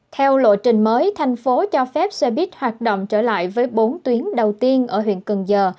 theo lộ trình mới thành phố cho phép xe buýt hoạt động trở lại với bốn tuyến đầu tiên ở huyện cần giờ